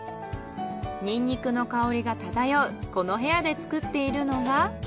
ニンニクの香りがただようこの部屋で作っているのが。